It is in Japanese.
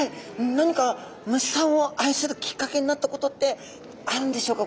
何か虫さんを愛するきっかけになったことってあるんでしょうか。